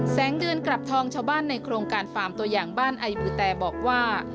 แสงเดือนกลับทองชาวบ้านในโครงการฟาร์มตัวอย่างบ้านไอบือแตบอกว่า